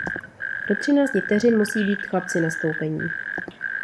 Do třinácti vteřin musí být chlapci nastoupení.